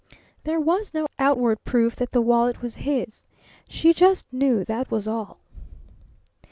There was no outward proof that the wallet was his. She just knew, that was all.